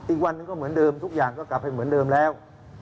อีกวันหนึ่งก็เหมือนเดิมทุกอย่างก็กลับไปเหมือนเดิมแล้ว